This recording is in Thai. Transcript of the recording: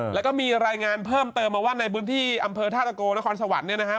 แล้วก็มีรายงานเพิ่มเติมมาว่าในพื้นที่อำเภอท่าตะโกนครสวรรค์เนี่ยนะฮะ